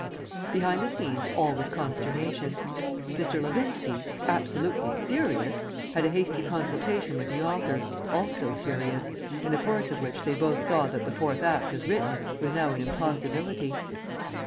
..... Behind the scenes all was consternation. Mr. Levinski (absolutely furious) had a hasty consultation with the author (also furious), in the course of which they both saw that the Fourth Act as written was now an impossibility.